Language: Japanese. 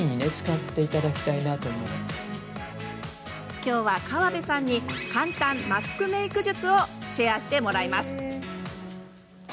きょうは川邉さんに簡単マスクメイク術をシェアしてもらいます。